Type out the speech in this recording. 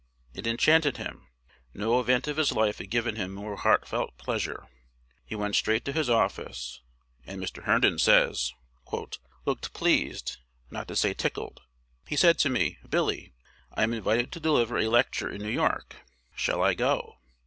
It enchanted him: no event of his life had given him more heartfelt pleasure. He went straight to his office, and, Mr. Herndon says, "looked pleased, not to say tickled. He said to me, 'Billy, I am invited to deliver a lecture in New York. Shall I go?'